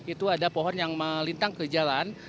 itu ada pohon yang melintang ke jalan